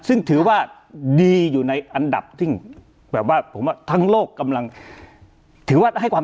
ซึ่งถือว่าดีอยู่ในอันดับที่แบบว่าผมว่าทั้งโลกกำลังถือว่าให้ความ